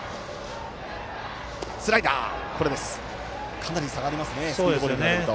かなり差がありますねスピードボールになると。